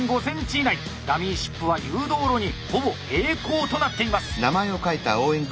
ダミーシップは誘導路にほぼ平行となっています。